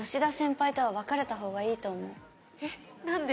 えっ何で？